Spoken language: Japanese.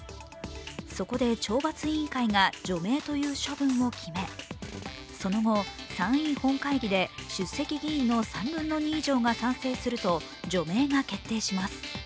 そこで懲罰委員会が除名という処分を決め、その後、参院本会議で出席議員の３分の２以上が賛成すると除名が決定します。